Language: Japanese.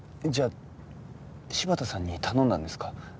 じゃあ芝田さんに頼んだんですか？